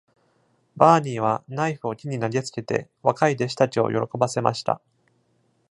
バーニーはナイフを木に投げつけて、若い弟子たちを喜ばせました。